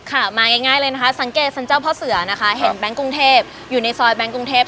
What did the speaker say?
มาง่ายเลยนะคะสังเกตสรรเจ้าพ่อเสือนะคะเห็นแก๊งกรุงเทพอยู่ในซอยแบงค์กรุงเทพ